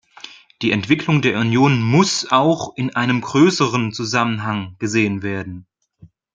Die Entwicklung der Union muss auch in einem größeren Zusammenhang gesehen werden.